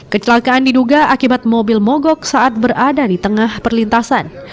kecelakaan diduga akibat mobil mogok saat berada di tengah perlintasan